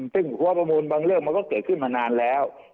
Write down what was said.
ซึ่งหัวประมูลบางเรื่องมันก็เกิดขึ้นมานานแล้ว